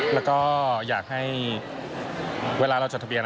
แล้วก็อยากให้เวลาเราจดทะเบียน